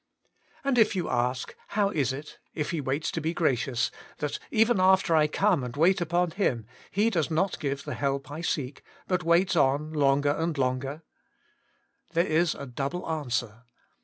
And if you ask, How is it, if He waits to be gracious, that even after I come and wait upon Him, He does not give the help I seek, but waits on longer and longer 1 There is a double answer.